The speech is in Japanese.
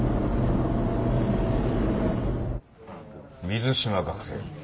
水島学生。